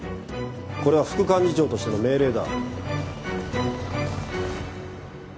これは副幹事長としての命令だ。